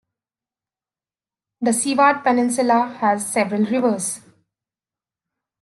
The Seward Peninsula has several rivers.